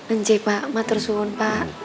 enj pak matur suhun pak